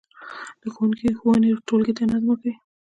د ښوونکي ښوونې ټولګي ته نظم ورکوي.